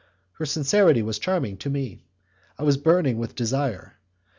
Her sincerity was charming to me; I was burning with desire.